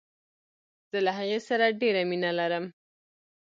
زه له هغې سره ډیره مینه لرم.